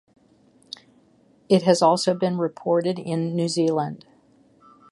It has also been reported in New Zealand.